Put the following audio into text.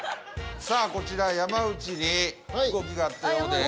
さあこちら山内に動きがあったようです。